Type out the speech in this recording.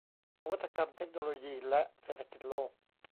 นวัตกรรม เทคโนโลยี และเศรษฐกิจโลก